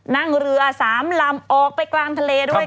นั่งเรือ๓ลำออกไปกลางทะเลด้วย